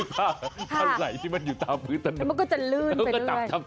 เออเนอะค่ะมันก็จะลื่นไปด้วย